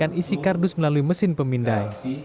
kedua berperan menggunakan kardus melalui mesin pemindai